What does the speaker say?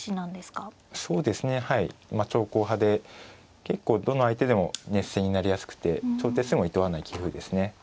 長考派で結構どの相手でも熱戦になりやすくて長手数もいとわない棋風ですね。